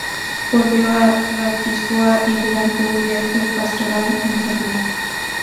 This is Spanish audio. Volvió a Ratisbona y, durante un viaje pastoral enfermó.